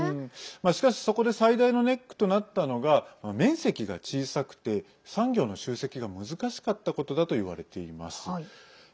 しかし、そこで最大のネックとなったのが面積が小さくて産業の集積が難しかったことだと言われています。